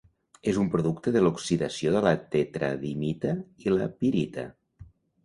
És un producte de l'oxidació de la tetradimita i la pirita.